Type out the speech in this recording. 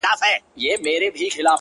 لمر چي د ميني زوال ووهي ويده سمه زه;